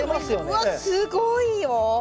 わっすごいよ！